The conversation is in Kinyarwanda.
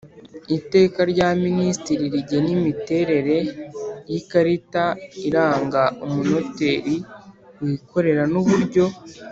Iteka rya minisitiri rigena imiterere y ikarita iranga umunoteri wikorera n uburyo